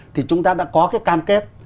thì chúng ta đã có cái cam kết